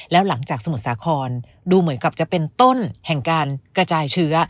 แล้วหลังจากสมุทรสาครดูเหมือนกับจะเป็นต้นแห่งการกระจายเชื้อ